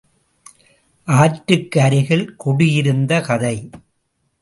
ஆற்றுக்கு அருகில் குடியிருந்த கதை.